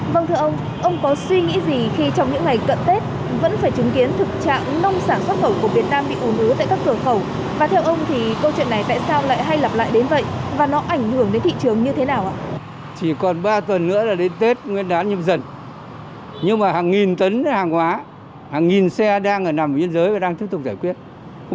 vâng thưa ông ông có suy nghĩ gì khi trong những ngày cận tết vẫn phải chứng kiến thực trạng nông sản xuất khẩu của việt nam bị ồn ứa tại các cửa khẩu